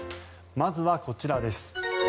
まずはこちらです。